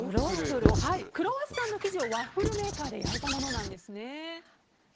クロワッサンの生地をワッフルメーカーで焼いたものなんです。